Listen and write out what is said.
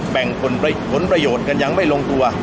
ผลประโยชน์กันยังไม่ลงตัว